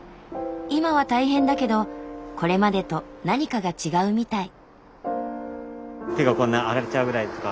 今は大変だけどこれまでと何かが違うみたい。